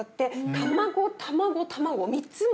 卵卵卵３つも。